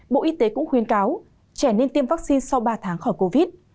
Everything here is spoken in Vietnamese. bộ y tế cũng khuyên cáo trẻ nên tiêm vaccine sau ba tháng khỏi covid